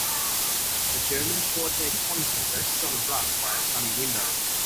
A German shorthaired pointer rests on a rug by a sunny window.